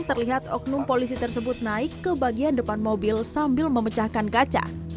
terlihat oknum polisi tersebut naik ke bagian depan mobil sambil memecahkan kaca